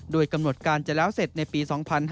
โดยกำหนดการจะแล้วเสร็จในปี๒๕๕๙